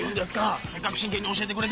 せっかく真剣に教えてくれてんのに。